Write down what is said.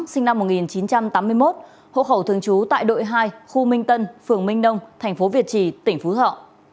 sinh năm một nghìn chín trăm tám mươi một hộ khẩu thường trú tại đội hai khu minh tân phường minh đông thành phố việt trì tỉnh phú thọ